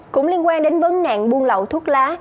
cũng liên quan đến vấn nạn buôn lậu thuốc lá